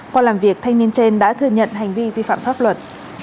qua làm việc thanh niên trên đã thừa nhận hành vi vi phạm pháp luật